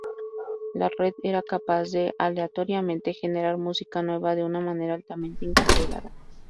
La red era capaz de, aleatoriamente, generar música nueva de una manera altamente incontrolada.